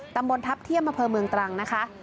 ตำบลทัพเที่ยงอำเภอเมืองตรังนะคะ